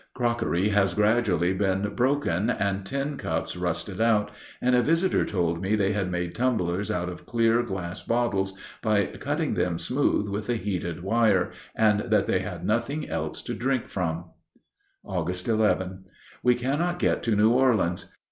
Crockery has gradually been broken and tin cups rusted out, and a visitor told me they had made tumblers out of clear glass bottles by cutting them smooth with a heated wire, and that they had nothing else to drink from. Aug. 11. We cannot get to New Orleans.